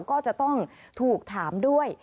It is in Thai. ก็จะต้องถูกถามด้วย